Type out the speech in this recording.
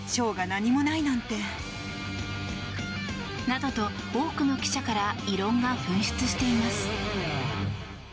などと、多くの記者から異論が噴出しています。